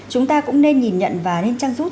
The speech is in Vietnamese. chúng ta cũng nên nhìn nhận và nên trang rút